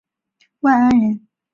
万安人。